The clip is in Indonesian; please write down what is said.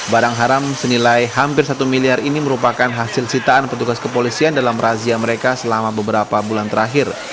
barang haram senilai hampir satu miliar ini merupakan hasil sitaan petugas kepolisian dalam razia mereka selama beberapa bulan terakhir